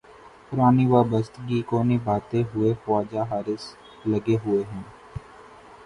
پرانی وابستگی کو نبھاتے ہوئے خواجہ حارث لگے ہوئے ہیں۔